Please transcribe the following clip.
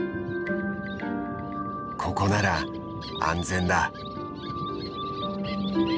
ここなら安全だ。